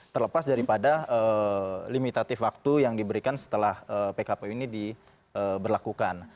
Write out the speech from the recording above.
terlepas daripada limitatif waktu yang diberikan setelah pkpu ini diberlakukan